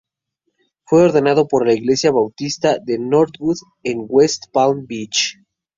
Fue ordenado por la Iglesia Bautista de Northwood en West Palm Beach.